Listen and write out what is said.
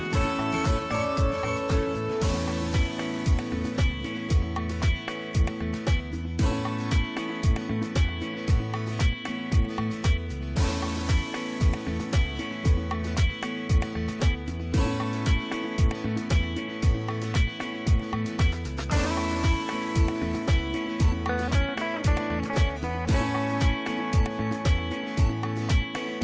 โปรดติดตามตอนต่อไป